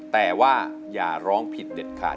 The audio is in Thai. แต่ว่าอย่าร้องผิดเด็ดขาด